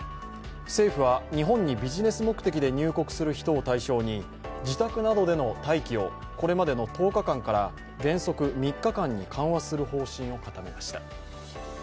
政府は日本にビジネス目的で入国する人を対象に自宅などでの待機をこれまでの１０日間から原則３日間に緩和する方針を固めました。